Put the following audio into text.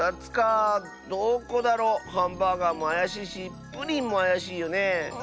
どこだろう？ハンバーガーもあやしいしプリンもあやしいよねえ。